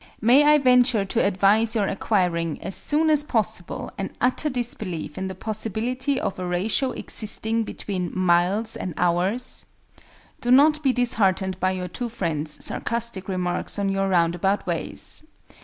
May I venture to advise your acquiring, as soon as possible, an utter disbelief in the possibility of a ratio existing between miles and hours? Do not be disheartened by your two friends' sarcastic remarks on your "roundabout ways."